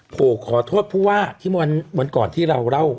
โหขอโทษเพราะว่าที่วันก่อนที่เราเล่า